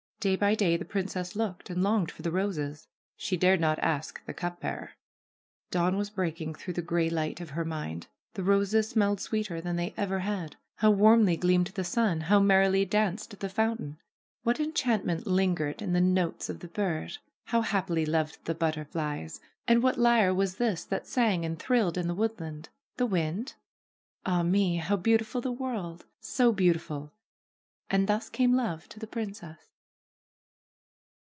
Day by day the prin cess looked and longed for the roses. She dared not ask the cup bearer. Dawn was breaking through the gray light of her mind. The roses smelled sweeter than they ever had. How warmly gleamed the sun ! How merrily danced the fountain! What enchantment lingered in the notes of the birds 1 How happily loved the butter flies ! And what lyre was this that sang and thrilled in the woodland I The wind ? Ah me 1 How beautiful the world! So beautiful! And thus came love to the princess.